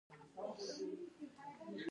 افغانستان کې د بادام د پرمختګ هڅې روانې دي.